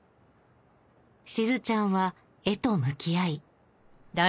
しずちゃんは絵と向き合い